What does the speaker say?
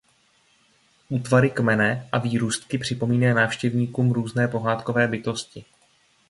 Útvary kmene a výrůstky připomínají návštěvníkům různé pohádkové bytosti.